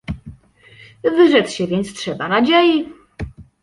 "Wyrzec się więc trzeba nadziei."